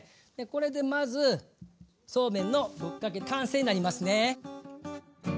これでまずそうめんのぶっかけ完成になりますね。